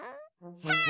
さあ！